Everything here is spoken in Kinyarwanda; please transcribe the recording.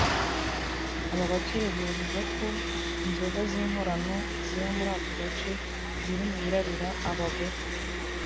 Aba baturage bavuga ko inzoga z’inkorano ziba muri ako gace ziri mu birarura abagore